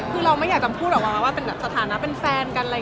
คือเราไม่อยากธรรมพูดว่าเป็นสถานะแฟนกัน